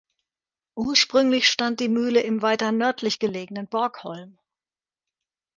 Ursprünglich stand die Mühle im weiter nördlich gelegenen Borgholm.